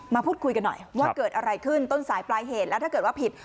มาพูดคุยกันหน่อยว่าเกิดอะไรขึ้นต้นสายปลายเหตุแล้วถ้าเกิดว่าผิด